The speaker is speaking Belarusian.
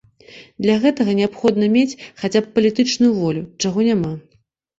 Для гэтага неабходна мець хаця б палітычную волю, чаго няма.